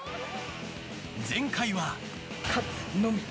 前回は。